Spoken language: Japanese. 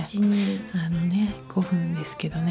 あのね５分ですけどね